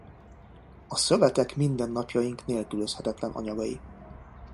A szövetek mindennapjaink nélkülözhetetlen anyagai.